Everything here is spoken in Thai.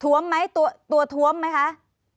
ทวมไหมตัวทวมไหมค่ะ